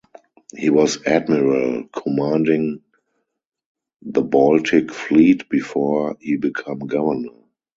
He was Admiral commanding the Baltic Fleet before he became governor.